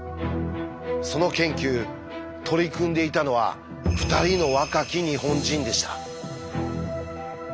その研究取り組んでいたのは２人の若き日本人でした。